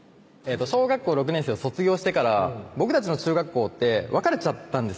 小学校６年生を卒業してから僕たちの中学校って分かれちゃったんですよ